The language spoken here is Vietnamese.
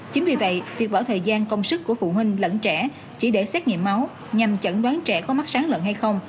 chính vì vậy việc bỏ thời gian công sức của phụ huynh lẫn trẻ chỉ để xét nghiệm máu nhằm chẩn đoán trẻ có mắc sán lợn hay không